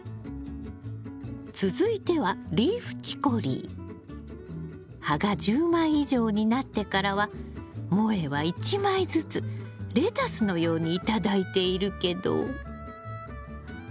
続いては葉が１０枚以上になってからはもえは一枚ずつレタスのように頂いているけど。